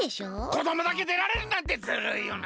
こどもだけでられるなんてずるいよな。